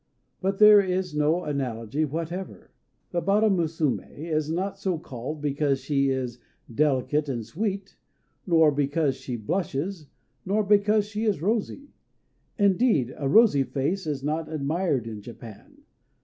But there is no analogy whatever. The Bara Musumé is not so called because she is delicate and sweet, nor because she blushes, nor because she is rosy; indeed, a rosy face is not admired in Japan.